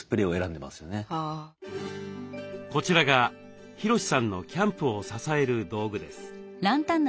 こちらがヒロシさんのキャンプを支える道具です。